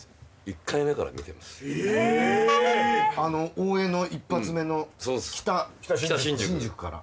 大江の１発目の北新宿から？